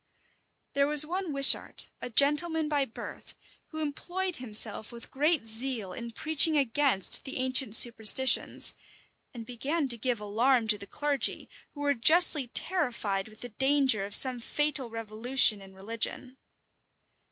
There was one Wishart, a gentleman by birth, who employed himself with great zeal in preaching against the ancient superstitions, and began to give alarm to the clergy, who were justly terrified with the danger of some fatal revolution in religion.